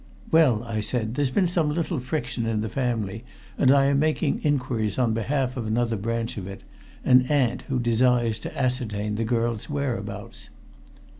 "Well," I said, "there has been some little friction in the family, and I am making inquiries on behalf of another branch of it an aunt who desires to ascertain the girl's whereabouts."